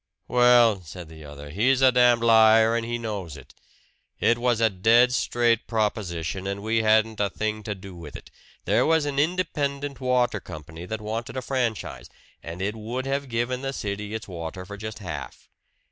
"Well," said the other, "he's a damned liar, and he knows it. It was a dead straight proposition, and we hadn't a thing to do with it. There was an independent water company that wanted a franchise and it would have given the city its water for just half.